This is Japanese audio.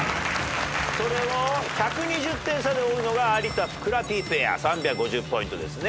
それを１２０点差で追うのが有田・ふくらＰペア３５０ポイントですね。